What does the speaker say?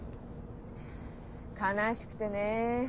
悲しくてねえ